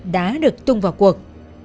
đã được tung vào cuộc